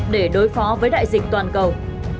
để đối phó với đại dịch toàn cầu